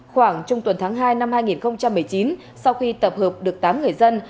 khoảng trung tuần tháng hai năm hai nghìn một mươi chín sau khi tập hợp được tám người dân